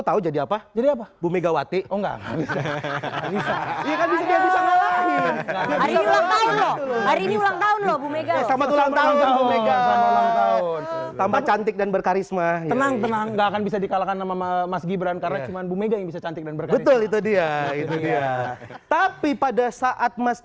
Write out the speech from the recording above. tahu jadi apa jadi apa bumegawati enggak bisa bisa ngalahin hari ini lakuin loh